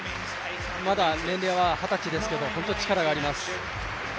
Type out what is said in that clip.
まだ年齢は二十歳ですけど、本当に力があります。